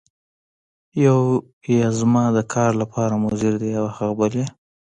یو یې زما د کار لپاره مضر دی او هغه بل یې.